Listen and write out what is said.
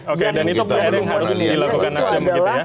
oke dan itu belum harus dilakukan nasdem gitu ya